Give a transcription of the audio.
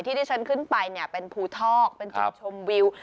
ที่ที่ฉันขึ้นไปเนี่ยเป็นภูทอกเป็นจุดชมวิว